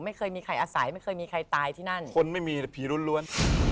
โมเดิร์นหน่อยใหม่หน่อย